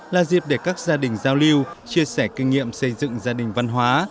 là dịp để các gia đình giao lưu chia sẻ kinh nghiệm xây dựng gia đình văn hóa